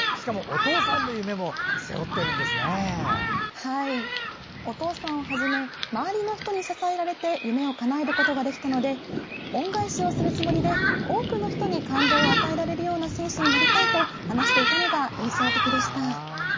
お父さんをはじめ周りの人に支えられて夢をかなえることができたので恩返しをするつもりで多くの人に感動を与えられるような選手になりたいと話していたのが印象的でした。